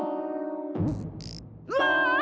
うわ！